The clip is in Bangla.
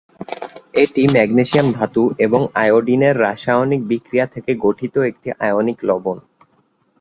এটি ম্যাগনেসিয়াম ধাতু এবং আয়োডিনের রাসায়নিক বিক্রিয়া থেকে গঠিত একটি আয়নিক লবণ।